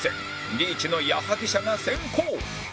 リーチの矢作舎が先攻